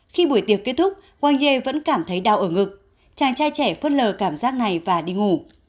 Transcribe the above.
khi buổi tiệc kết thúc wang ye vẫn cảm thấy đau ở ngực chàng trai trẻ phớt lờ cảm giác này và đi ngủ